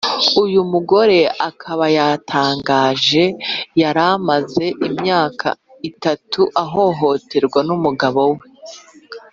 uyu mugore akaba yatangaje yaramaze imyaka itatu ahohoterwa numugabo we